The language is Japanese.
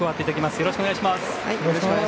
よろしくお願いします。